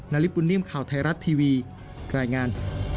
นาริปุ่นนิ่มข่าวไทยรัฐทีวีรายงาน